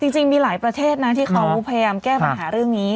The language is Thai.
จริงมีหลายประเทศนะที่เขาพยายามแก้ปัญหาเรื่องนี้